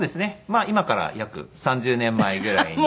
まあ今から約３０年前ぐらいに。